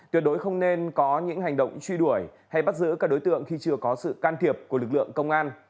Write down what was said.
tuyệt đối không nên có những hành động truy đuổi hay bắt giữ các đối tượng khi chưa có sự can thiệp của lực lượng công an